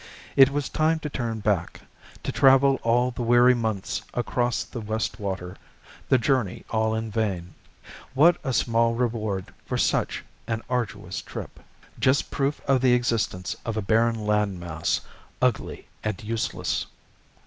It was time to turn back, to travel all the weary months across the West Water, the journey all in vain. What a small reward for such an arduous trip ... just proof of the existence of a barren land mass, ugly and useless.